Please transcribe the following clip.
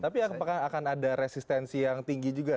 bahwa kan ada resistensi yang tinggi juga